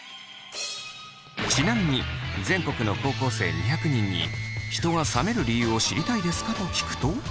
ちなみに全国の高校生２００人に「人が冷める理由を知りたいですか？」と聞くと。